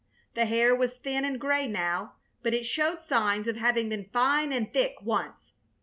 The hair was thin and gray now, but it showed signs of having been fine and thick once.